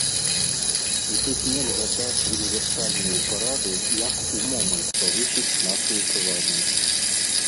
І тут нельга даць універсальную параду, як у момант павысіць нашую прывабнасць.